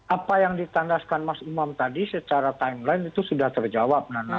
apa yang ditandaskan mas umam tadi secara timeline itu sudah terjawab nana